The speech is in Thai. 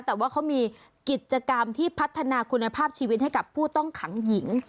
แต่ว่าเขามีกิจกรรมที่พัฒนาคุณภาพชีวิตให้กับผู้ต้องขังหญิง